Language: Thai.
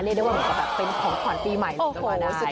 เรียกได้ว่าแบบเป็นของขวานปีใหม่เลยก็มาได้